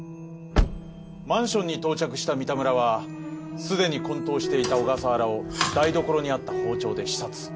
マンションに到着した三田村はすでにこん倒していた小笠原を台所にあった包丁で刺殺。